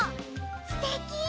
すてき！